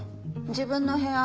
自分の部屋。